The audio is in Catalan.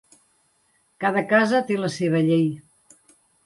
Cada casa té la seva llei.